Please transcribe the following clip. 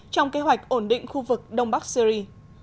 trong kế hoạch ổn định khu vực đông bắc syri